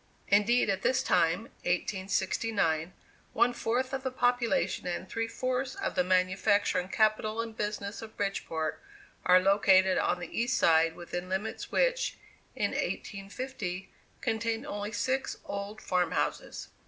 Indeed, at this time (1869) one fourth of the population and three fourths of the manufacturing capital and business of Bridgeport are located on the east side within limits which, in 1850, contained only six old farm houses.